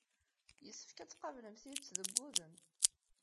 Yessefk ad tqablem tidet deg wudem.